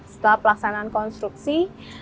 setelah pelaksanaan konstruksi